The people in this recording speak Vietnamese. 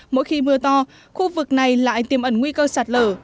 mỗi khi mưa to khu vực này lại tiêm ẩn nguy cơ sạt lở